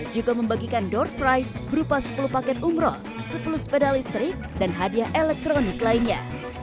juga membagikan door price berupa sepuluh paket umroh sepuluh sepeda listrik dan hadiah elektronik lainnya